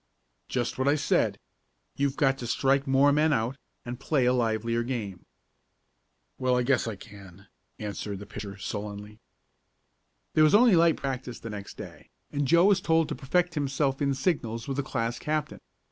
"Just what I said. You've got to strike more men out, and play a livelier game." "Well, I guess I can," answered the pitcher, sullenly. There was only light practice the next day, and Joe was told to perfect himself in signals with the class captain.